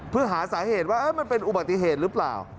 เพื่อหาสาเหตุว่ามันเป็นอุบัติเหตุหรือเปล่า